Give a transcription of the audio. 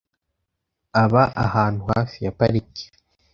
Aba ahantu hafi ya parike